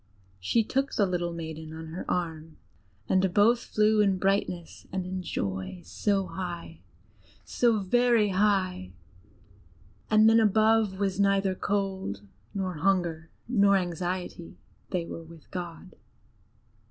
She took the little maiden, on her arm, and both flew in brightness and in joy so high, so very high, and then above was neither cold, nor hunger, nor anxiety they were with God.